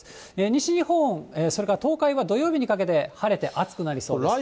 西日本、それから東海は土曜日にかけて晴れて暑くなりそうです。